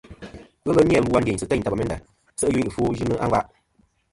Ghelɨ ni-a lu a ndiynsɨ̀ teyn ta Bamenda se' i yuyn i ɨfwo yɨnɨ a ngva.